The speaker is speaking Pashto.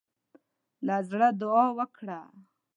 له زړۀ دعا وکړه.